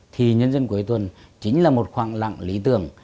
thì nhân dân cuối tuần chính là một khoảng lặng lý tưởng